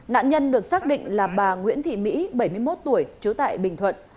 nạn nhân được xác định là bà nguyễn thị mỹ bảy mươi một tuổi trú tại bình thuận